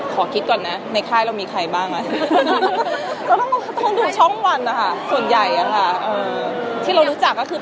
พี่หนุกตอนนี้มีคนที่รู้จักนะครับ